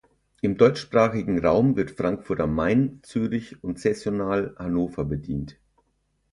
Im deutschsprachigen Raum wird Frankfurt am Main, Zürich und saisonal Hannover bedient.